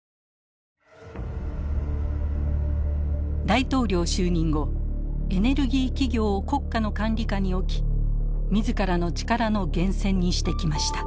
大統領就任後エネルギー企業を国家の管理下に置き自らの力の源泉にしてきました。